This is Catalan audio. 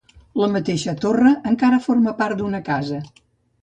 La mateixa torre encara forma part d'una casa.